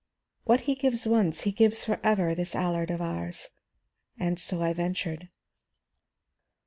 'What he gives once, he gives for ever, this Allard of ours.' And so I ventured."